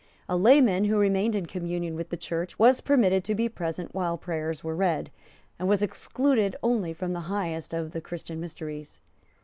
A layman who remained in communion with the Church was permitted to be present while prayers were read, and was excluded only from the highest of Christian mysteries.